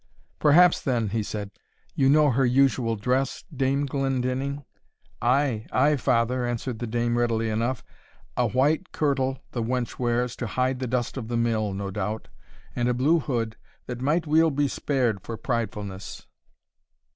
"Perhaps, then," he said, "you know her usual dress, Dame Glendinning?" "Ay, ay, father," answered the dame readily enough, "a white kirtle the wench wears, to hide the dust of the mill, no doubt and a blue hood, that might weel be spared, for pridefulness."